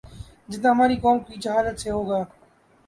جتنا ہماری قوم کی جہالت سے ہو گا